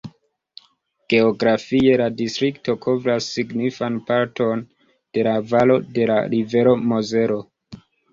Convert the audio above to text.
Geografie la distrikto kovras signifan parton de la valo de la rivero Mozelo.